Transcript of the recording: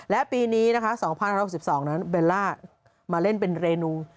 และปีนี้นะคะ๒๐๖๒นั้นเบลล่ามาเล่นเป็นเรนู